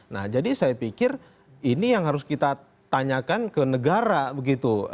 nah jadi saya pikir ini yang harus kita tanyakan ke negara begitu